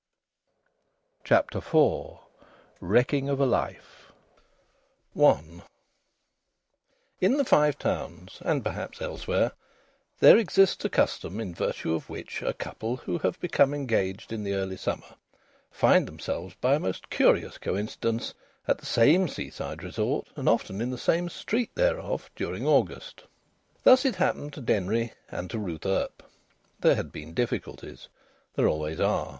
CHAPTER IV WRECKING OF A LIFE I In the Five Towns, and perhaps elsewhere, there exists a custom in virtue of which a couple who have become engaged in the early summer find themselves by a most curious coincidence at the same seaside resort, and often in the same street thereof, during August. Thus it happened to Denry and to Ruth Earp. There had been difficulties there always are.